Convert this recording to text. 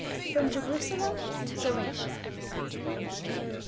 FROM JERUSALEM TO GALATIA.